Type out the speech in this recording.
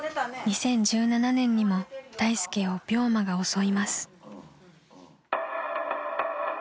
［２０１７年にも大助を病魔が襲います］